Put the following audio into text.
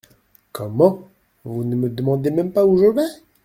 Comment ! vous ne me demandez même pas où je vais ?…